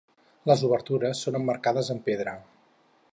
Les obertures són emmarcades amb pedra.